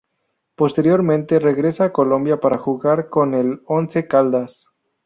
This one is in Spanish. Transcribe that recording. Posteriormente, regresa a Colombia para jugar con el Once Caldas.